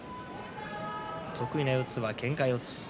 得意の四つはけんか四つ。